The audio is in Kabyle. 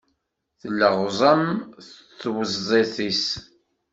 Telleɣẓam tweṭzit-is.